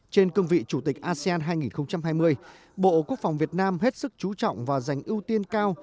trên cương vị chủ tịch asean hai nghìn hai mươi bộ quốc phòng việt nam hết sức chú trọng và dành ưu tiên cao